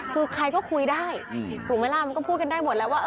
คือใครก็คุยได้ถูกไหมล่ะมันก็พูดกันได้หมดแล้วว่า